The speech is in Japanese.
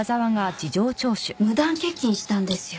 無断欠勤したんですよ。